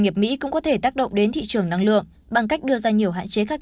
nghiệp mỹ cũng có thể tác động đến thị trường năng lượng bằng cách đưa ra nhiều hạn chế khác